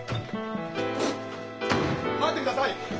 待ってください！